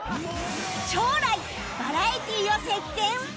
将来バラエティを席巻！？